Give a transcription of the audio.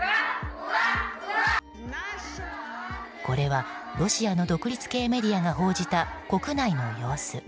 これはロシアの独立系メディアが報じた国内の様子。